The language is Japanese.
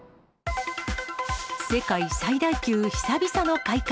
世界最大級、久々の開花。